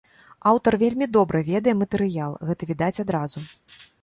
Аўтар вельмі добра ведае матэрыял, гэта відаць адразу.